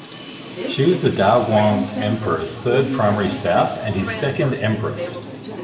She was the Daoguang Emperor's third primary spouse and his second empress.